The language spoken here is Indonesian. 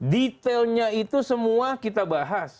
detailnya itu semua kita bahas